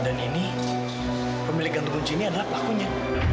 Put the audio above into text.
dan ini pemilik gantung kunci ini adalah pakunya